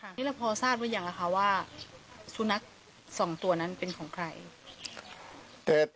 นี่แล้วพอทราบไว้อย่างไรคะว่าสุนัข๒ตัวนั้นเป็นของใคร